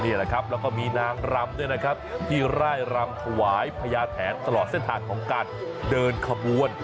นี่แหละครับแล้วก็มีนางรำด้วยนะครับที่ร่ายรำถวายพญาแถนตลอดเส้นทางของการเดินขบวน